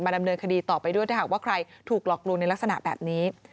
ดำเนินคดีต่อไปด้วยถ้าหากว่าใครถูกหลอกลวงในลักษณะแบบนี้